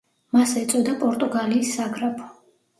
მას ეწოდა პორტუგალიის საგრაფო.